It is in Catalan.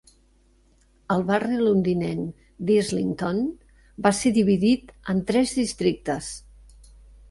El barri londinenc d'Islington va ser dividit en tres districtes.